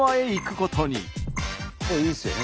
ここいいですよね